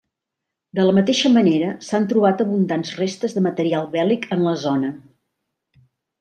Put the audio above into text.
De la mateixa manera, s'han trobat abundants restes de material bèl·lic en la zona.